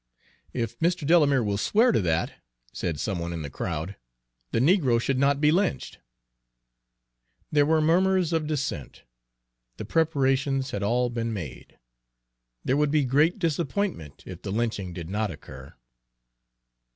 "If Mr. Delamere will swear to that," said some one in the crowd, "the negro should not be lynched." There were murmurs of dissent. The preparations had all been made. There would be great disappointment if the lynching did not occur.